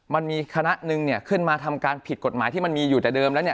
มันมีคณะหนึ่งขึ้นมาทำการผิดกฎหมายที่มันมีอยู่แต่เดิมแล้วเนี่ย